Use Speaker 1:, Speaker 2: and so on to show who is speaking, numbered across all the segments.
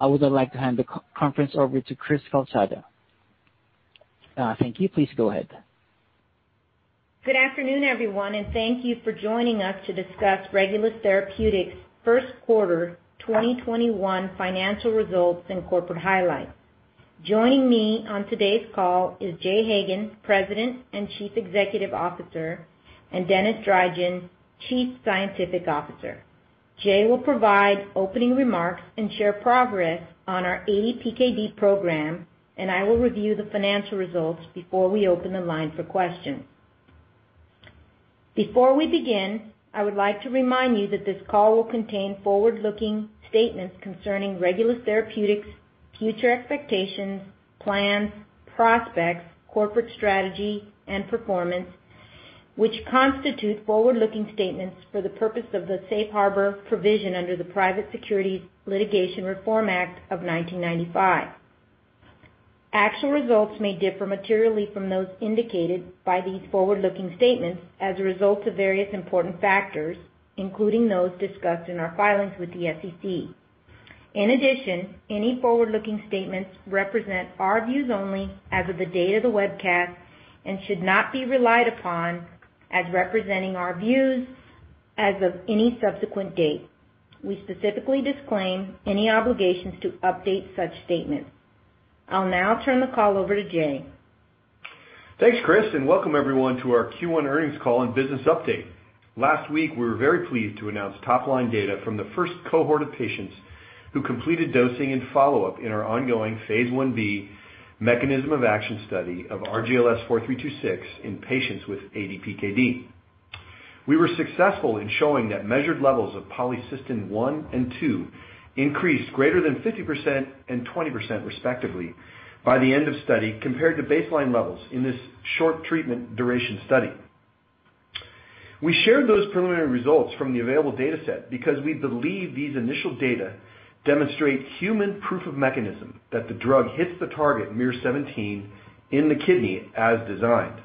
Speaker 1: I would like to hand the conference over to Cris Calsada. Thank you. Please go ahead.
Speaker 2: Good afternoon, everyone, and thank you for joining us to discuss Regulus Therapeutics' first quarter 2021 financial results and corporate highlights. Joining me on today's call is Jay Hagan, President and Chief Executive Officer, and Denis Drygin, Chief Scientific Officer. Jay will provide opening remarks and share progress on our ADPKD program, and I will review the financial results before we open the line for questions. Before we begin, I would like to remind you that this call will contain forward-looking statements concerning Regulus Therapeutics' future expectations, plans, prospects, corporate strategy, and performance, which constitute forward-looking statements for the purpose of the safe harbor provision under the Private Securities Litigation Reform Act of 1995. Actual results may differ materially from those indicated by these forward-looking statements as a result of various important factors, including those discussed in our filings with the SEC. In addition, any forward-looking statements represent our views only as of the date of the webcast and should not be relied upon as representing our views as of any subsequent date. We specifically disclaim any obligations to update such statements. I'll now turn the call over to Jay.
Speaker 3: Thanks, Cris, welcome everyone to our Q1 earnings call and business update. Last week, we were very pleased to announce top-line data from the first cohort of patients who completed dosing and follow-up in our ongoing phase I-b mechanism of action study of RGLS4326 in patients with ADPKD. We were successful in showing that measured levels of polycystin-1 and 2 increased greater than 50% and 20% respectively by the end of study, compared to baseline levels in this short treatment duration study. We shared those preliminary results from the available data set because we believe these initial data demonstrate human proof of mechanism, that the drug hits the target, miR-17, in the kidney as designed.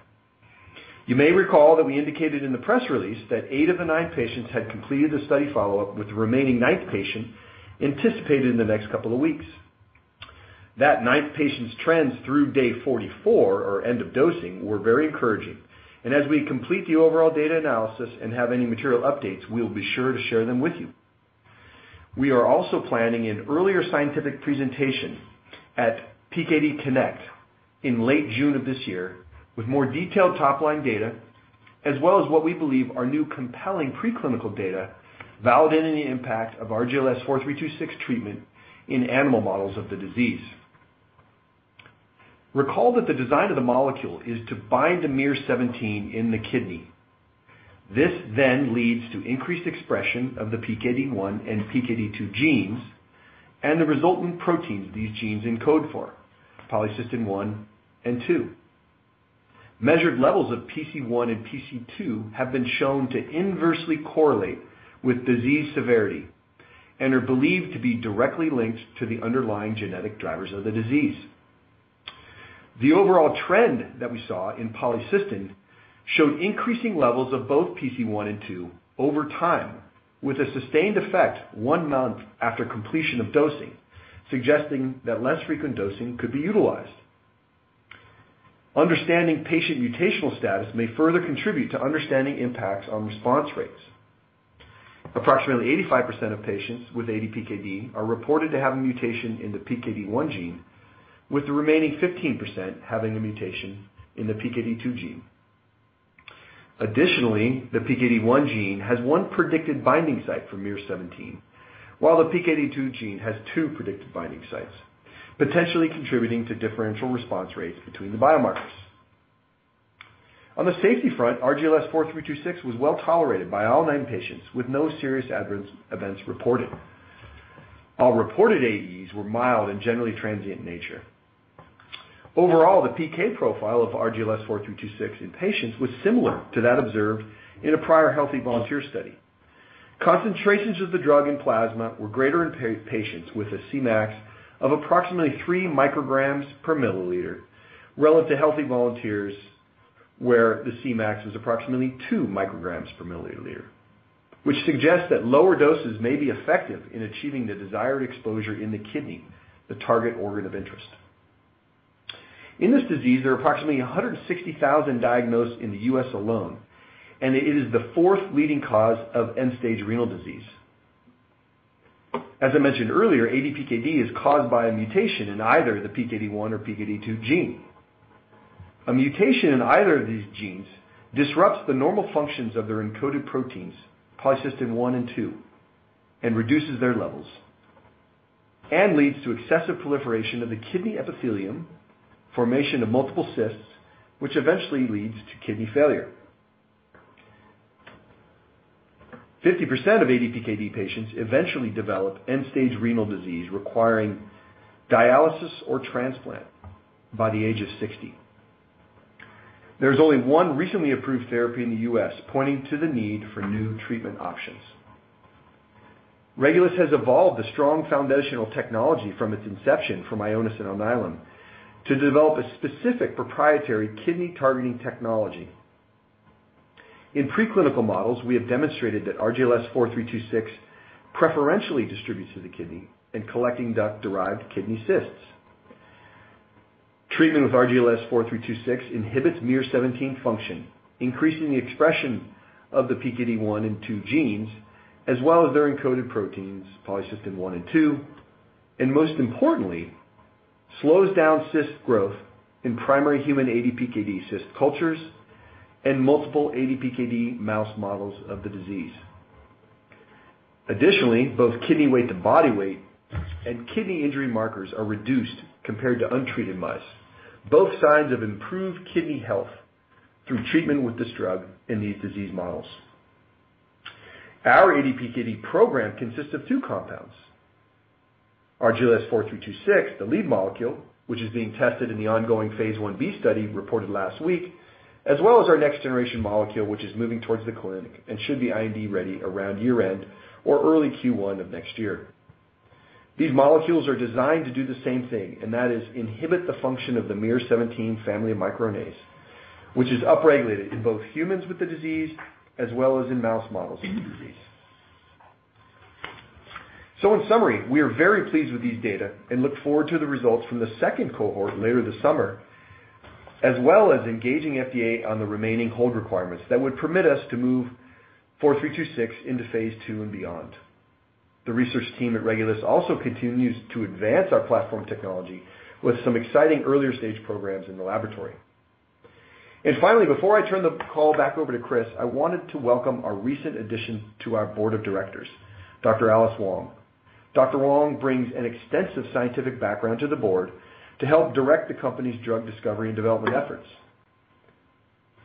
Speaker 3: You may recall that we indicated in the press release that eight of the nine patients had completed the study follow-up, with the remaining ninth patient anticipated in the next couple of weeks. That ninth patient's trends through day 44, or end of dosing, were very encouraging, and as we complete the overall data analysis and have any material updates, we will be sure to share them with you. We are also planning an earlier scientific presentation at PKD Connect in late June of this year with more detailed top-line data, as well as what we believe are new compelling pre-clinical data validating the impact of RGLS4326 treatment in animal models of the disease. Recall that the design of the molecule is to bind the miR-17 in the kidney. This then leads to increased expression of the PKD1 and PKD2 genes and the resultant proteins these genes encode for, polycystin-1 and 2. Measured levels of PC1 and PC2 have been shown to inversely correlate with disease severity and are believed to be directly linked to the underlying genetic drivers of the disease. The overall trend that we saw in polycystin showed increasing levels of both PC1 and PC2 over time, with a sustained effect one month after completion of dosing, suggesting that less frequent dosing could be utilized. Understanding patient mutational status may further contribute to understanding impacts on response rates. Approximately 85% of patients with ADPKD are reported to have a mutation in the PKD1 gene, with the remaining 15% having a mutation in the PKD2 gene. Additionally, the PKD1 gene has one predicted binding site for miR-17, while the PKD2 gene has two predicted binding sites, potentially contributing to differential response rates between the biomarkers. On the safety front, RGLS4326 was well-tolerated by all nine patients, with no serious adverse events reported. All reported ADEs were mild and generally transient in nature. Overall, the PK profile of RGLS4326 in patients was similar to that observed in a prior healthy volunteer study. Concentrations of the drug in plasma were greater in patients with a Cmax of approximately 3mcg per milliliter relative to healthy volunteers, where the Cmax is approximately 2 mcg per milliliter, which suggests that lower doses may be effective in achieving the desired exposure in the kidney, the target organ of interest. In this disease, there are approximately 160,000 diagnosed in the U.S. alone, and it is the fourth leading cause of end-stage renal disease. As I mentioned earlier, ADPKD is caused by a mutation in either the PKD1 or PKD2 gene. A mutation in either of these genes disrupts the normal functions of their encoded proteins, polycystin-1 and 2, and reduces their levels and leads to excessive proliferation of the kidney epithelium, formation of multiple cysts, which eventually leads to kidney failure. 50% of ADPKD patients eventually develop end-stage renal disease requiring dialysis or transplant by the age of 60. There's only one recently approved therapy in the U.S., pointing to the need for new treatment options. Regulus has evolved a strong foundational technology from its inception from Ionis and Alnylam to develop a specific proprietary kidney-targeting technology. In preclinical models, we have demonstrated that RGLS4326 preferentially distributes to the kidney and collecting duct-derived kidney cysts. Treatment with RGLS4326 inhibits miR-17 function, increasing the expression of the PKD1 and 2 genes, as well as their encoded proteins, polycystin-1 and 2, and most importantly, slows down cyst growth in primary human ADPKD cyst cultures and multiple ADPKD mouse models of the disease. Additionally, both kidney weight to body weight and kidney injury markers are reduced compared to untreated mice, both signs of improved kidney health through treatment with this drug in these disease models. Our ADPKD program consists of two compounds, RGLS4326, the lead molecule, which is being tested in the ongoing phase I-b study reported last week, as well as our next-generation molecule, which is moving towards the clinic and should be IND ready around year-end or early Q1 of next year. These molecules are designed to do the same thing, that is inhibit the function of the miR-17 family of microRNAs, which is upregulated in both humans with the disease as well as in mouse models of the disease. In summary, we are very pleased with these data and look forward to the results from the second cohort later this summer, as well as engaging FDA on the remaining hold requirements that would permit us to move 4326 phase II and beyond. The research team at Regulus also continues to advance our platform technology with some exciting earlier-stage programs in the laboratory. Finally, before I turn the call back over to Cris, I wanted to welcome our recent addition to our board of directors, Dr. Alice Huang. Dr. Huang brings an extensive scientific background to the board to help direct the company's drug discovery and development efforts.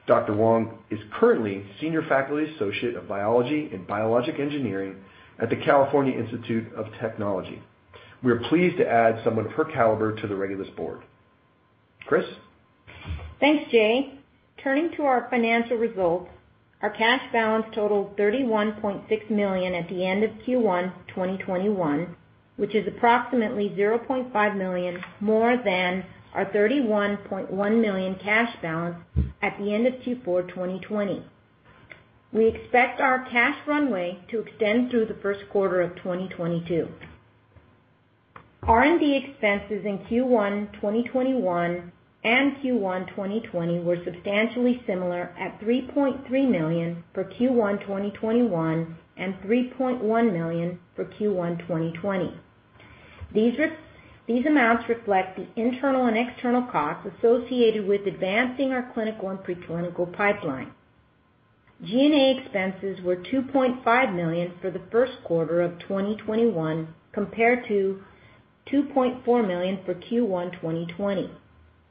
Speaker 3: Dr. Wang is currently Senior Faculty Associate of Biology and Biologic Engineering at the California Institute of Technology. We are pleased to add someone of her caliber to the Regulus board. Cris?
Speaker 2: Thanks, Jay. Turning to our financial results, our cash balance totaled $31.6 million at the end of Q1 2021, which is approximately $0.5 million more than our $31.1 million cash balance at the end of Q4 2020. We expect our cash runway to extend through the first quarter of 2022. R&D expenses in Q1 2021 and Q1 2020 were substantially similar at $3.3 million for Q1 2021 and $3.1 million for Q1 2020. These amounts reflect the internal and external costs associated with advancing our clinical and preclinical pipeline. G&A expenses were $2.5 million for the first quarter of 2021 compared to $2.4 million for Q1 2020.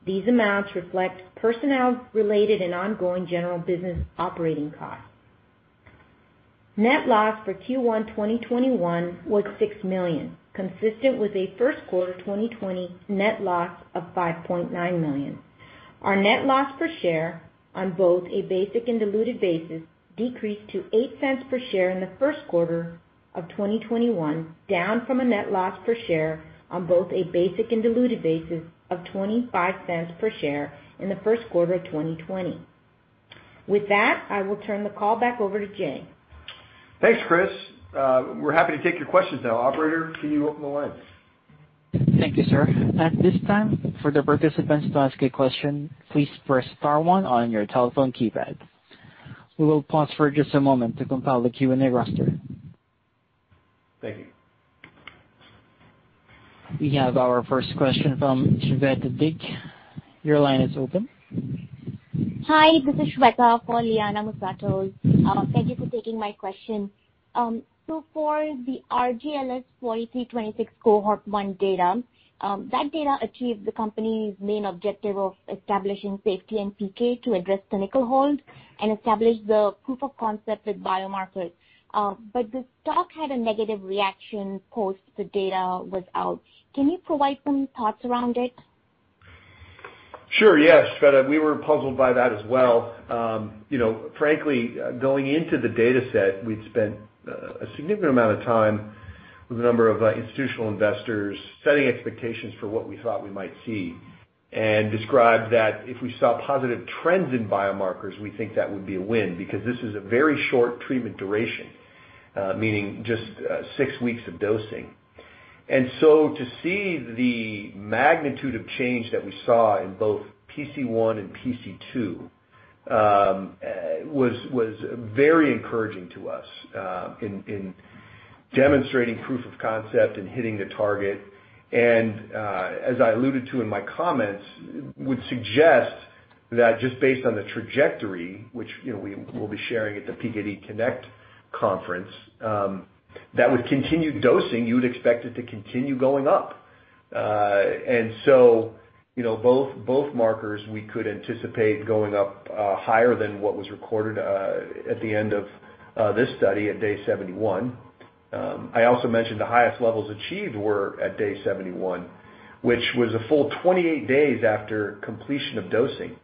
Speaker 2: These amounts reflect personnel-related and ongoing general business operating costs. Net loss for Q1 2021 was $6 million, consistent with a first quarter 2020 net loss of $5.9 million. Our net loss per share on both a basic and diluted basis decreased to $0.08 per share in the first quarter of 2021, down from a net loss per share on both a basic and diluted basis of $0.25 per share in the first quarter of 2020. With that, I will turn the call back over to Jay.
Speaker 3: Thanks, Cris. We're happy to take your questions now. Operator, can you open the lines?
Speaker 1: Thank you, sir. At this time, for the participants to ask a question, please press star one on your telephone keypad. We will pause for just a moment to compile the Q&A roster.
Speaker 3: Thank you.
Speaker 1: We have our first question from Shweta Dik. Your line is open.
Speaker 4: Hi. This is Shweta for. Thank you for taking my question. For the RGLS4326 cohort 1 data, that data achieved the company's main objective of establishing safety and PK to address clinical hold and establish the proof of concept with biomarkers. The stock had a negative reaction post the data was out. Can you provide some thoughts around it?
Speaker 3: Sure. Yes, Shweta. We were puzzled by that as well. Frankly, going into the data set, we'd spent a significant amount of time with a number of institutional investors setting expectations for what we thought we might see and described that if we saw positive trends in biomarkers, we think that would be a win because this is a very short treatment duration, meaning just six weeks of dosing. To see the magnitude of change that we saw in both PC1 and PC2, was very encouraging to us in demonstrating proof of concept and hitting the target. As I alluded to in my comments, would suggest that just based on the trajectory, which we will be sharing at the PKD Connect Conference, that with continued dosing you would expect it to continue going up. Both markers we could anticipate going up higher than what was recorded at the end of this study at day 71. I also mentioned the highest levels achieved were at day 71, which was a full 28 days after completion of dosing.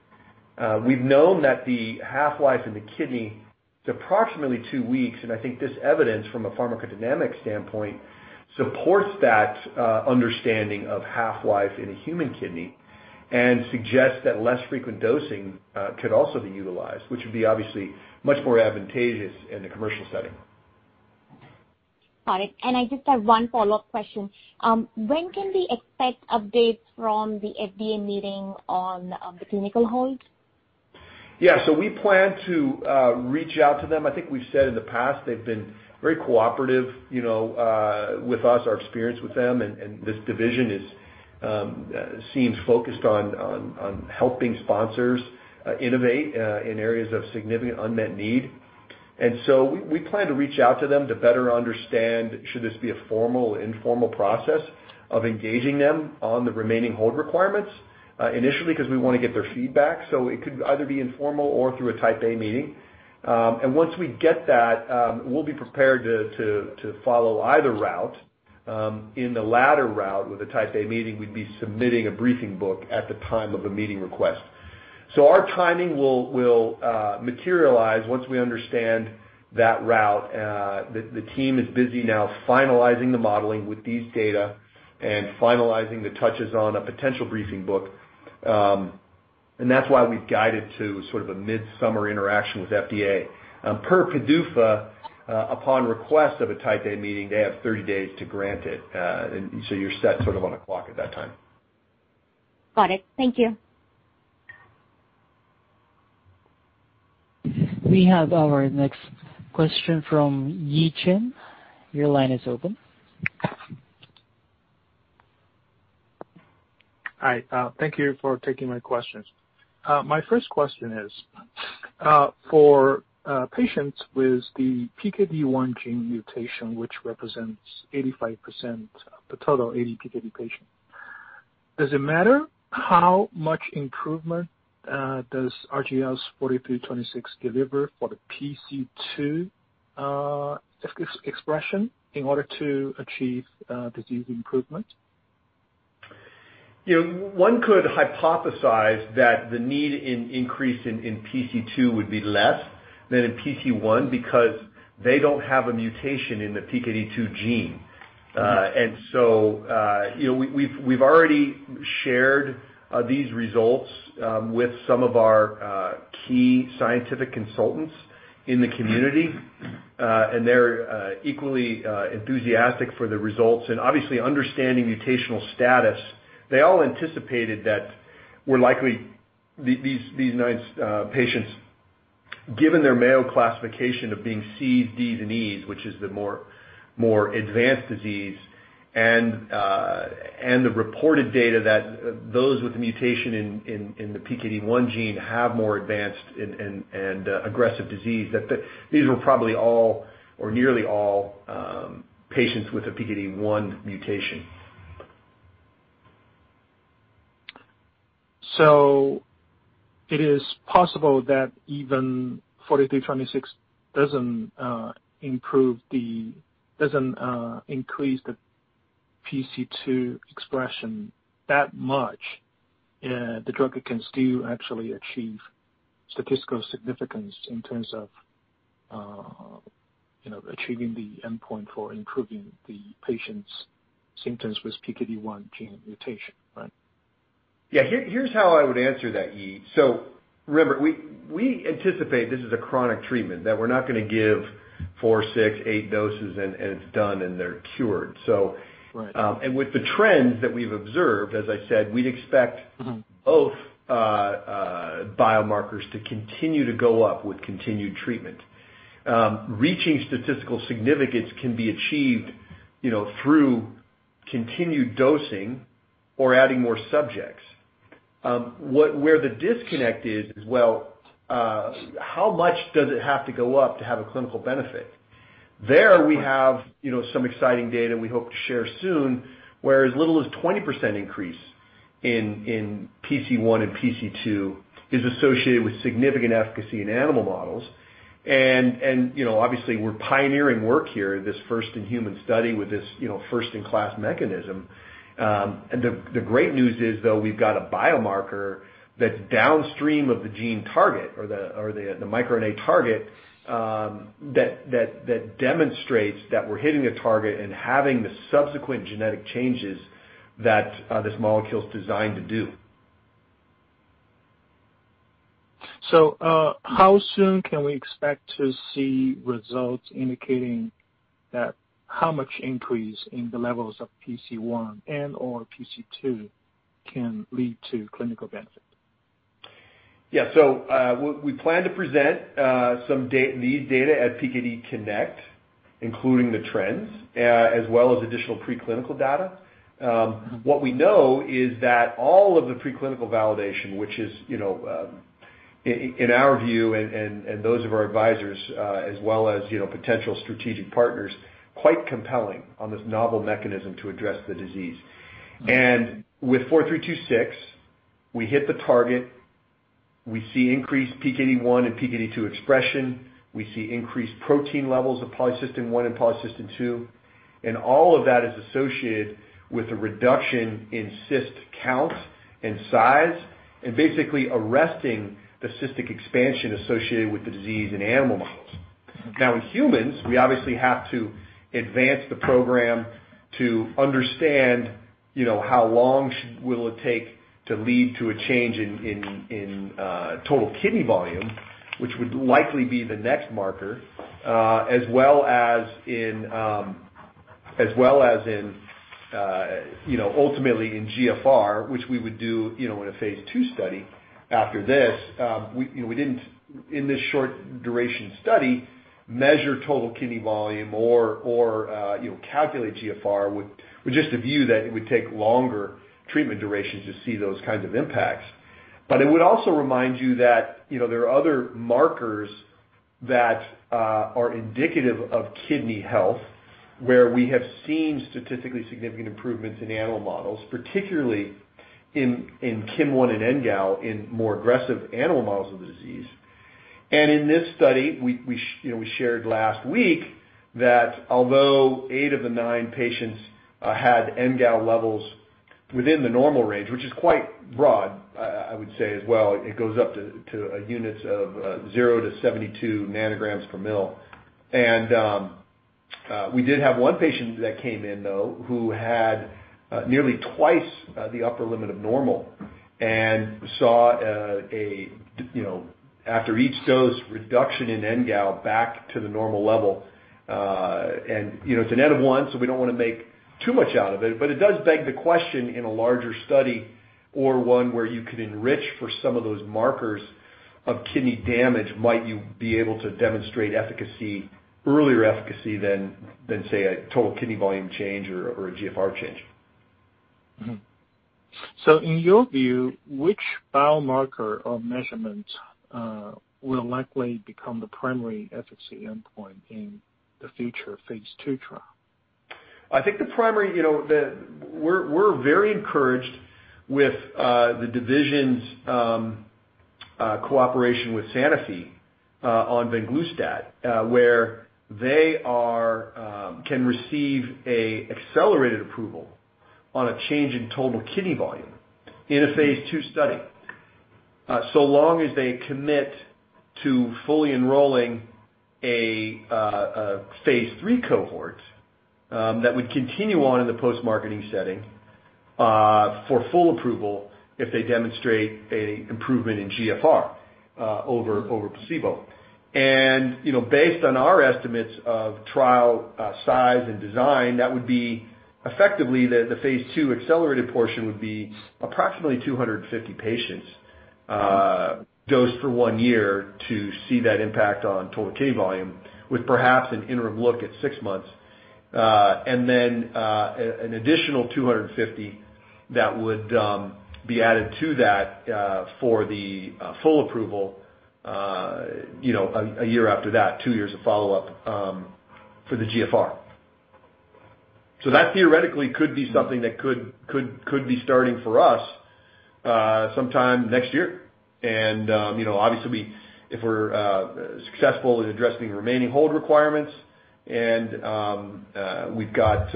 Speaker 3: We've known that the half-life in the kidney is approximately two weeks, and I think this evidence from a pharmacodynamic standpoint supports that understanding of half-life in a human kidney and suggests that less frequent dosing could also be utilized, which would be obviously much more advantageous in a commercial setting.
Speaker 4: Got it. I just have one follow-up question. When can we expect updates from the FDA meeting on the clinical hold?
Speaker 3: Yeah. We plan to reach out to them. I think we've said in the past, they've been very cooperative with us, our experience with them, and this division seems focused on helping sponsors innovate, in areas of significant unmet need. We plan to reach out to them to better understand should this be a formal or informal process of engaging them on the remaining hold requirements, initially because we want to get their feedback. It could either be informal or through a Type A meeting. Once we get that, we'll be prepared to follow either route. In the latter route with a Type A meeting, we'd be submitting a briefing book at the time of the meeting request. Our timing will materialize once we understand that route. The team is busy now finalizing the modeling with these data and finalizing the touches on a potential briefing book. That's why we've guided to sort of a midsummer interaction with FDA. Per PDUFA, upon request of a type A meeting, they have 30 days to grant it. You're set sort of on a clock at that time.
Speaker 4: Got it. Thank you.
Speaker 1: We have our next question from Yi Chen. Your line is open.
Speaker 5: Hi. Thank you for taking my questions. My first question is, for patients with the PKD1 gene mutation, which represents 85% of the total ADPKD patient, does it matter how much improvement does RGLS4326 deliver for the PC2 expression in order to achieve disease improvement?
Speaker 3: One could hypothesize that the need in increase in PC2 would be less than in PC1 because they don't have a mutation in the PKD2 gene.
Speaker 5: Yeah.
Speaker 3: We've already shared these results with some of our key scientific consultants in the community, and they're equally enthusiastic for the results. Obviously understanding mutational status, they all anticipated that we're likely, these nine patients, given their Mayo classification of being Cs, Ds, and Es, which is the more advanced disease, and the reported data that those with the mutation in the PKD1 gene have more advanced and aggressive disease, that these were probably all or nearly all patients with a PKD1 mutation.
Speaker 5: It is possible that even 4326 doesn't increase the PC2 expression that much. The drug can still actually achieve statistical significance in terms of achieving the endpoint for improving the patient's symptoms with PKD1 gene mutation, right?
Speaker 3: Yeah. Here's how I would answer that, Yi-Chin. Remember, we anticipate this is a chronic treatment, that we're not going to give four, six, eight doses and it's done, and they're cured.
Speaker 5: Right.
Speaker 3: With the trends that we've observed, as I said, we'd expect both biomarkers to continue to go up with continued treatment. Reaching statistical significance can be achieved through continued dosing or adding more subjects. Where the disconnect is, well, how much does it have to go up to have a clinical benefit? There we have some exciting data we hope to share soon, where as little as 20% increase in PC1 and PC2 is associated with significant efficacy in animal models. Obviously we're pioneering work here, this first in human study with this first in class mechanism. The great news is, though, we've got a biomarker that's downstream of the gene target or the microRNA target, that demonstrates that we're hitting a target and having the subsequent genetic changes that this molecule is designed to do.
Speaker 5: How soon can we expect to see results indicating that how much increase in the levels of PC1 and/or PC2 can lead to clinical benefit?
Speaker 3: We plan to present these data at PKD Connect, including the trends, as well as additional preclinical data. What we know is that all of the preclinical validation, which is, in our view and those of our advisors, as well as potential strategic partners, quite compelling on this novel mechanism to address the disease. With 4326, we hit the target, we see increased PKD1 and PKD2 expression. We see increased protein levels of polycystin-1 and polycystin-2, and all of that is associated with a reduction in cyst count and size, and basically arresting the cystic expansion associated with the disease in animal models. In humans, we obviously have to advance the program to understand how long will it take to lead to a change in total kidney volume, which would likely be the next marker, as well as in ultimately in GFR, which we would do in phase II study after this. We didn't, in this short duration study, measure total kidney volume or calculate GFR with just a view that it would take longer treatment durations to see those kinds of impacts. I would also remind you that there are other markers that are indicative of kidney health, where we have seen statistically significant improvements in animal models, particularly in KIM-1 and NGAL in more aggressive animal models of the disease. In this study, we shared last week that although eight of the nine patients had NGAL levels within the normal range, which is quite broad, I would say as well, it goes up to units of zero to 72 ng/mL. We did have one patient that came in, though, who had nearly twice the upper limit of normal and saw, after each dose, reduction in NGAL back to the normal level. It's an N of one, so we don't want to make too much out of it, but it does beg the question in a larger study or one where you could enrich for some of those markers of kidney damage, might you be able to demonstrate efficacy, earlier efficacy than, say, a total kidney volume change or a GFR change?
Speaker 5: In your view, which biomarker or measurement will likely become the primary efficacy endpoint in the phase II trial?
Speaker 3: I think the primary, we're very encouraged with the division's cooperation with Sanofi on venglustat where they can receive a accelerated approval on a change in total kidney volume in phase II study, so long as they commit to fully phase III cohort that would continue on in the post-marketing setting for full approval if they demonstrate a improvement in GFR over placebo. Based on our estimates of trial size and design, that would be effectively phase II accelerated portion would be approximately 250 patients dosed for one year to see that impact on total kidney volume, with perhaps an interim look at six months, and then an additional 250 that would be added to that for the full approval a year after that, two years of follow-up for the GFR. That theoretically could be something that could be starting for us sometime next year. Obviously if we're successful in addressing remaining hold requirements and we've got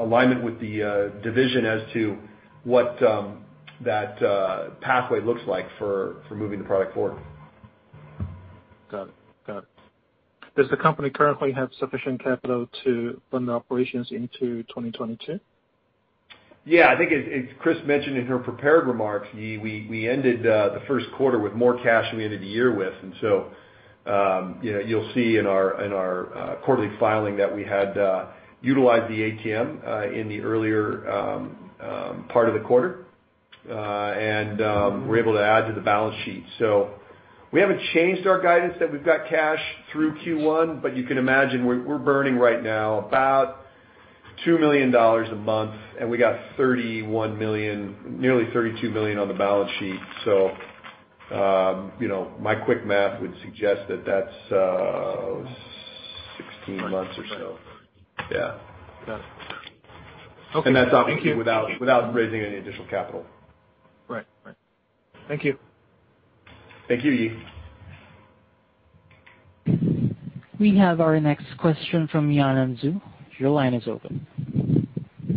Speaker 3: alignment with the division as to what that pathway looks like for moving the product forward.
Speaker 5: Got it. Does the company currently have sufficient capital to fund operations into 2022?
Speaker 3: Yeah. I think as Cris mentioned in her prepared remarks, we ended the first quarter with more cash than we ended the year with. You'll see in our quarterly filing that we had utilized the ATM in the earlier part of the quarter. We're able to add to the balance sheet. We haven't changed our guidance that we've got cash through Q1, but you can imagine we're burning right now about $2 million a month, and we got $31 million, nearly $32 million on the balance sheet. My quick math would suggest that that's 16 months or so.
Speaker 5: Right.
Speaker 3: Yeah.
Speaker 5: Got it. Okay. Thank you.
Speaker 3: That's obviously without raising any additional capital.
Speaker 5: Right. Thank you.
Speaker 3: Thank you, Yi.
Speaker 1: We have our next question from Yanan Zhu. Your line is open.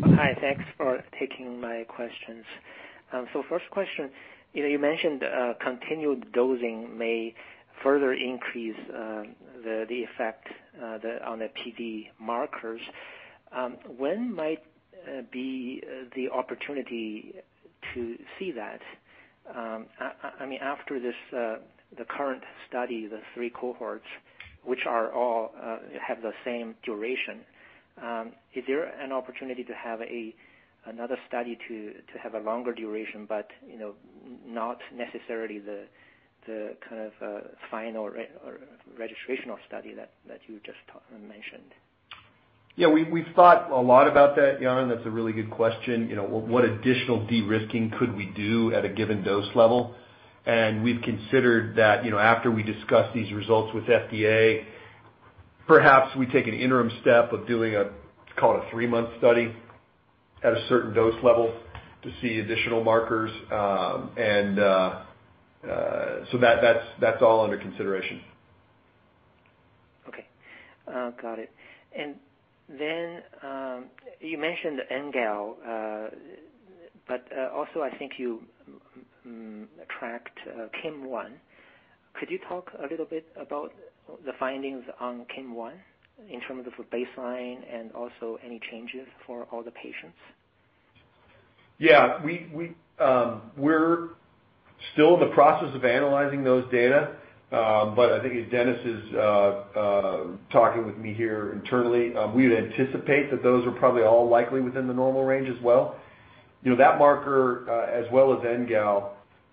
Speaker 6: Hi. Thanks for taking my questions. First question, you mentioned continued dosing may further increase the effect on the PD markers. When might be the opportunity to see that? After the current study, the three cohorts, which all have the same duration, is there an opportunity to have another study to have a longer duration, but not necessarily the kind of final registrational study that you just mentioned?
Speaker 3: Yeah. We've thought a lot about that, Yanan. That's a really good question. What additional de-risking could we do at a given dose level? We've considered that after we discuss these results with FDA, perhaps we take an interim step of doing a, call it a three-month study at a certain dose level to see additional markers. That's all under consideration.
Speaker 6: Oh, got it. Then you mentioned NGAL, but also I think you tracked KIM-1. Could you talk a little bit about the findings on KIM-1 in terms of the baseline and also any changes for all the patients?
Speaker 3: We're still in the process of analyzing those data. I think as Denis Drygin is talking with me here internally, we would anticipate that those are probably all likely within the normal range as well. That marker, as well as NGAL,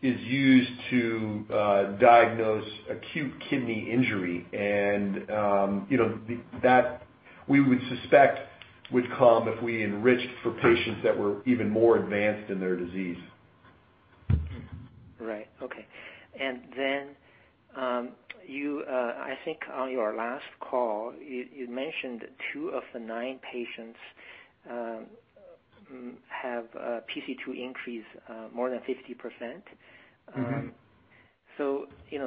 Speaker 3: is used to diagnose acute kidney injury and that we would suspect would come if we enriched for patients that were even more advanced in their disease.
Speaker 6: Right. Okay. I think on your last call, you mentioned two of the nine patients have PC2 increase more than 50%.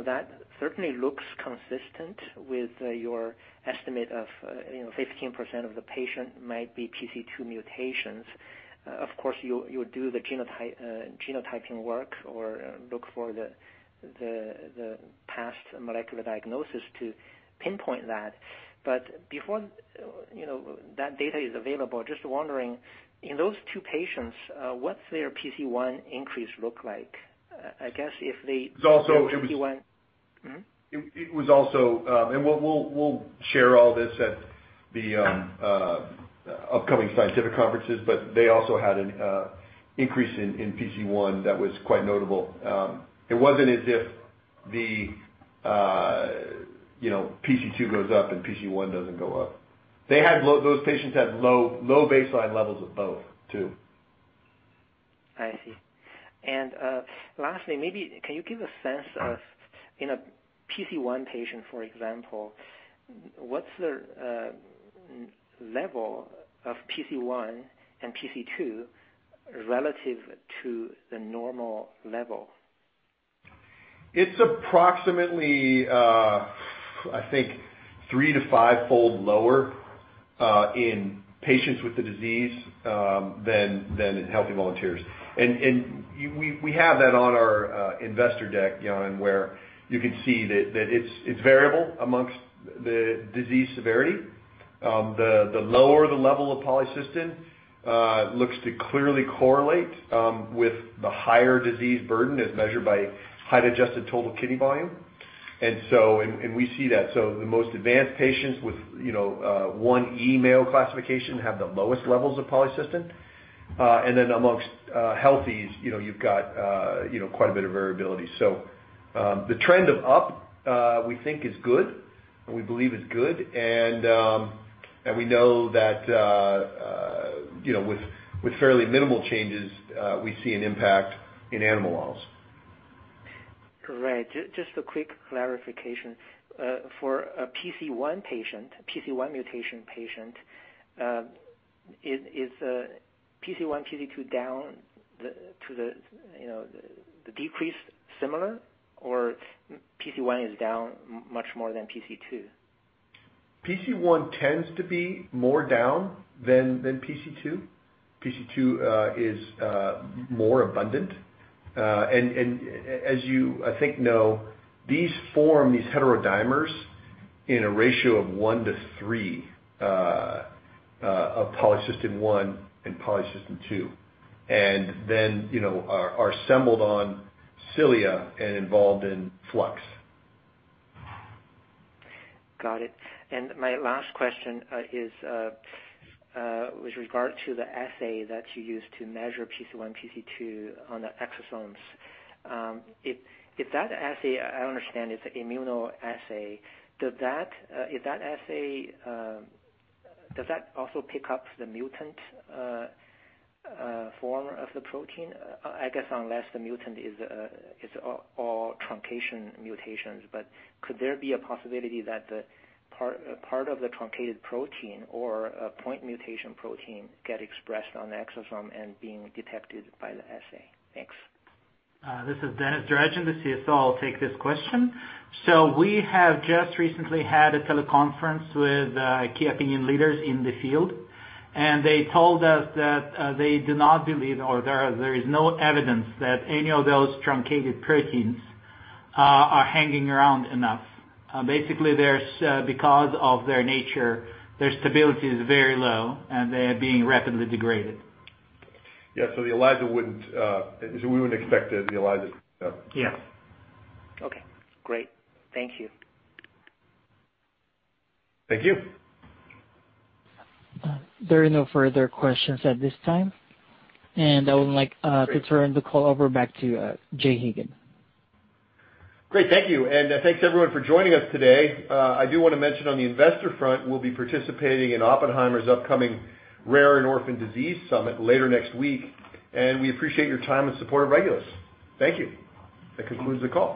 Speaker 6: That certainly looks consistent with your estimate of 15% of the patient might be PC2 mutations. Of course, you would do the genotyping work or look for the past molecular diagnosis to pinpoint that. But before that data is available, just wondering, in those two patients, what's their PC1 increase look like?
Speaker 3: It was also-
Speaker 6: PC1. Hmm?
Speaker 3: We'll share all this at the upcoming scientific conferences, but they also had an increase in PC1 that was quite notable. It wasn't as if the PC2 goes up and PC1 doesn't go up. Those patients had low baseline levels of both, too.
Speaker 6: I see. Lastly, maybe can you give a sense of in a PC1 patient, for example, what's their level of PC1 and PC2 relative to the normal level?
Speaker 3: It's approximately, I think, three to five-fold lower in patients with the disease, than in healthy volunteers. We have that on our investor deck, Yanan, where you can see that it's variable amongst the disease severity. The lower the level of polycystin looks to clearly correlate with the higher disease burden as measured by height-adjusted total kidney volume. We see that. The most advanced patients with 1E Mayo imaging classification have the lowest levels of polycystin. Amongst healthies, you've got quite a bit of variability. The trend of up we think is good and we believe is good and we know that with fairly minimal changes, we see an impact in animal models.
Speaker 6: Correct. Just a quick clarification. For a PC1 mutation patient, is PC1, PC2 down to the decreased similar, or PC1 is down much more than PC2?
Speaker 3: PC1 tends to be more down than PC2. PC2 is more abundant. As you, I think, know, these form these heterodimers in a ratio of one to three of polycystin-1 and polycystin-2. Then are assembled on cilia and involved in flux.
Speaker 6: Got it. My last question is with regard to the assay that you used to measure PC1, PC2 on the exosomes. If that assay, I understand it's an immunoassay, does that also pick up the mutant form of the protein? I guess unless the mutant is all truncation mutations, but could there be a possibility that part of the truncated protein or a point mutation protein get expressed on the exosome and being detected by the assay? Thanks.
Speaker 7: This is Denis Drygin, the CSO. I'll take this question. We have just recently had a teleconference with key opinion leaders in the field, and they told us that they do not believe, or there is no evidence that any of those truncated proteins are hanging around enough. Basically, because of their nature, their stability is very low and they're being rapidly degraded.
Speaker 3: Yeah. We wouldn't expect the ELISA to pick that up.
Speaker 7: Yeah.
Speaker 6: Okay, great. Thank you.
Speaker 3: Thank you.
Speaker 1: There are no further questions at this time.
Speaker 3: Great.
Speaker 1: To turn the call over back to Jay Hagan.
Speaker 3: Great. Thank you. Thanks everyone for joining us today. I do want to mention on the investor front, we'll be participating in Oppenheimer's upcoming Rare and Orphan Disease Summit later next week, and we appreciate your time and support of Regulus. Thank you. That concludes the call.